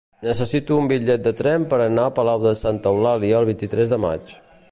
Necessito un bitllet de tren per anar a Palau de Santa Eulàlia el vint-i-tres de maig.